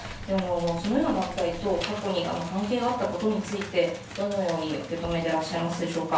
そのような団体と過去に関係があったことについて、どのように受け止めてらっしゃいますでしょうか。